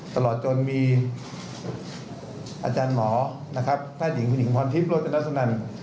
ตลอดจนมีอาจารย์หมอนะครับแพทย์หญิงคุณหญิงพรทิพย์โรจนสุนัน